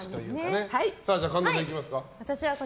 神田さん、いきますか。